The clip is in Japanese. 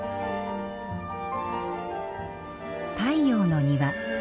太陽の庭。